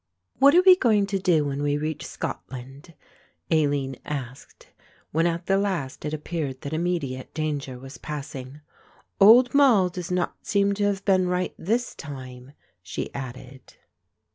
"What are we going to do when we reach Scotland?" Aline asked, when at the last it appeared that immediate danger was passing. "Old Moll does not seem to have been right this time," she added.